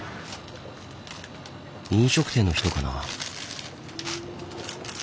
飲食店の人かな？